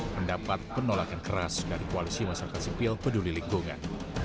mendapat penolakan keras dari koalisi masyarakat sipil peduli lingkungan